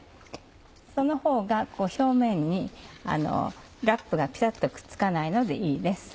そのほうが表面にラップがピタっとくっつかないのでいいです。